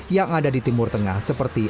yang ada di timur tengah seperti